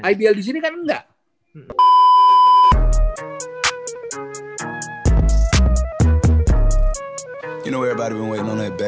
idl disini kan enggak